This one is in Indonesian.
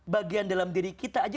bagian dalam diri kita aja